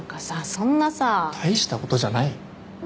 そんなさ大したことじゃない？